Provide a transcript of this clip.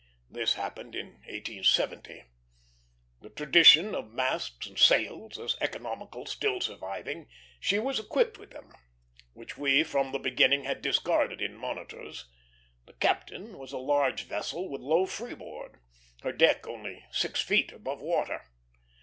This happened in 1870. The tradition of masts and sails, as economical, still surviving, she was equipped with them, which we from the beginning had discarded in monitors. The Captain was a large vessel with low freeboard, her deck only six feet above water.